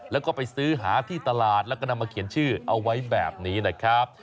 แล้วก็ไปซื้อหาที่ตลาดแล้วก็นำมาเขียนชื่อเอาไว้แบบนี้นะครับ